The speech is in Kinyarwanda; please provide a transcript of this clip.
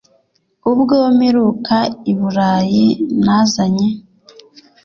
Ubwo mperuka iburayi nazanye